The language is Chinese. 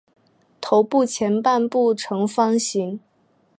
头部前半部呈方形。